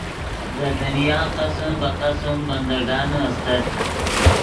دے دنیا قسم بہ قسم بندگانے استت